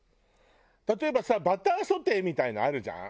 例えばさバターソテーみたいなのあるじゃん。